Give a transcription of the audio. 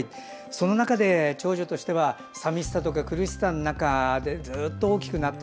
その中で長女としては寂しさとか苦しさの中でずっと大きくなった。